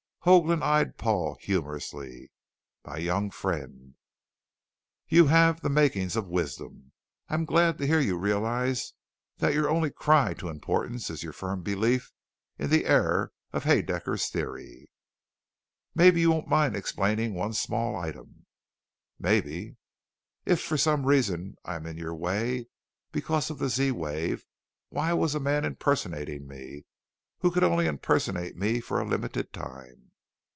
Hoagland eyed Paul humorously. "My young friend, you have the makings of wisdom. I am glad to hear you realize that your only cry to importance is your firm belief in the error of Haedaecker's Theory." "Maybe you won't mind explaining one small item." "Maybe." "If for some reason I am in your way because of the Z wave, why was a man impersonating me, who could only impersonate me for a limited time?"